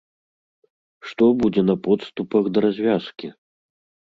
Што будзе на подступах да развязкі?